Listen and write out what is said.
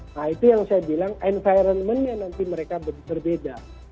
nah itu yang saya bilang environment nya nanti mereka berbeda